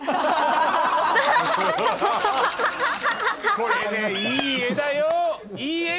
これねいい画だよ。